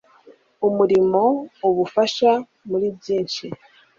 umurimo ubafasha muri byinshi